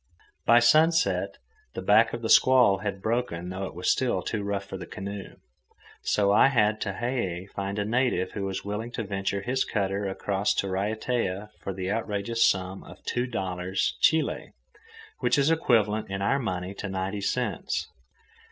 By sunset, the back of the squall had broken though it was still too rough for the canoe. So I had Tehei find a native who was willing to venture his cutter across to Raiatea for the outrageous sum of two dollars, Chili, which is equivalent in our money to ninety cents.